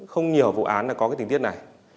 không nhiều vụ án có tình tiết này